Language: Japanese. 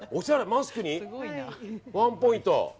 マスクにワンポイント。